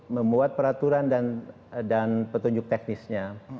membuat peraturan dan petunjuk teknisnya